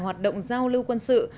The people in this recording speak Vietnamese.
hoạt động giao lưu quân sự